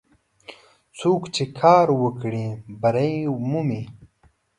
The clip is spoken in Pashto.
څوک چې کار وکړي، بری مومي.